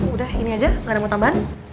udah ini aja nggak ada mau tambahan